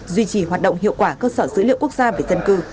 duy trì hoạt động hiệu quả cơ sở dữ liệu quốc gia về dân cư